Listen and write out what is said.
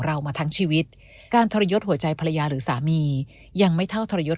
เรามาทั้งชีวิตการทรยศหัวใจภรรยาหรือสามียังไม่เท่าทรยศ